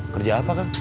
kerja apa kang